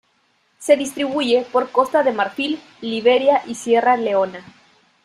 Se distribuye por Costa de Marfil, Liberia y Sierra Leona.